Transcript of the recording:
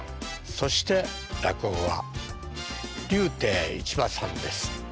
そして落語が柳亭市馬さんです。